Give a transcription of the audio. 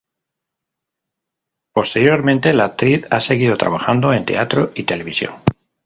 Posteriormente la actriz ha seguido trabajando en teatro y televisión.